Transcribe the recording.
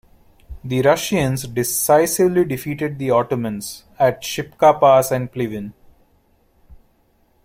The Russians decisively defeated the Ottomans at Shipka Pass and Pleven.